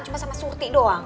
cuma sama surti doang